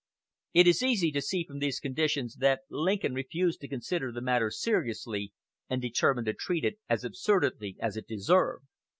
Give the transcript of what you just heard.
It is easy to see from these conditions that Lincoln refused to consider the matter seriously, and determined to treat it as absurdly as it deserved.